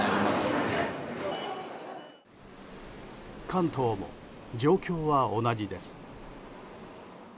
関東も状況は同じです。